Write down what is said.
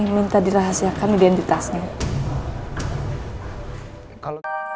minta dirahasiakan identitasnya